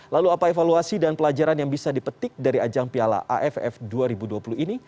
lalu apa evaluasi dan pelajaran yang bisa dipetik dari ajang piala aff dua ribu dua puluh ini